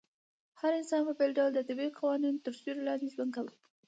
هر انسان په بېل ډول د طبيعي قوانينو تر سيوري لاندي ژوند کاوه